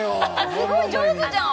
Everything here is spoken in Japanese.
すごい上手じゃん！